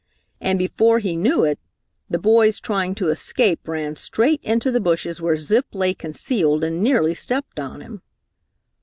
And before he knew it, the boys trying to escape ran straight into the bushes where Zip lay concealed and nearly stepped on him.